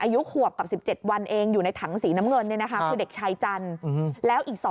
อายุขวบกับ๑๗วันเองอยู่ในถังสีน้ำเงินคือเด็กชายจันทร์แล้วอีก